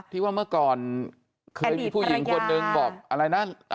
คิดว่าเมื่อก่อนคือผู้หญิงคนหนึ่งบอกอะไรนะ